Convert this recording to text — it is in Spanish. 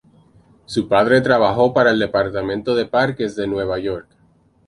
Su padre trabajó para el Departamento de Parques de Nueva York.